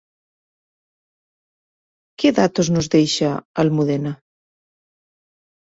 Que datos nos deixa, Almudena?